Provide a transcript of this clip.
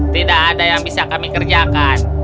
tidak ada yang bisa kami kerjakan